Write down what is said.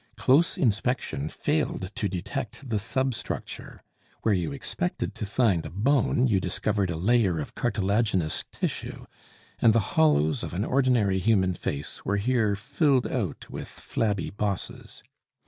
Close inspection failed to detect the substructure. Where you expected to find a bone, you discovered a layer of cartilaginous tissue, and the hollows of an ordinary human face were here filled out with flabby bosses.